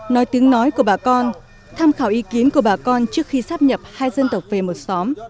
nói tiếng nói của bà con tham khảo ý kiến của bà con trước khi sắp nhập hai dân tộc về một xóm